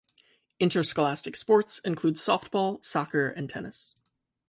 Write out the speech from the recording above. Interscholastic sports include softball, soccer and tennis.